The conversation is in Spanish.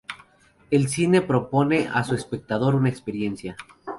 El cine propone a su espectador una experiencia.